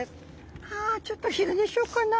「はぁちょっと昼寝しようかな」。